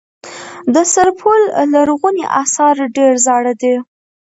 د سرپل لرغوني اثار ډیر زاړه دي